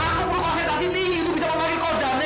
aku perlu konsentrasi tinggi untuk bisa membagi kodamnya